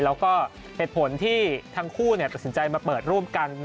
แล้วก็เหตุผลที่ทั้งคู่ตัดสินใจมาเปิดร่วมกัน